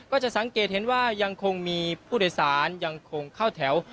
ก็จะสังเกตเห็นว่ายังคงมีผู้โดยสารยังคงเข้าแถว